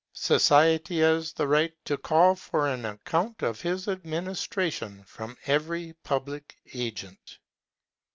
Society has the right to call for an account of his ad ministration from every public agent.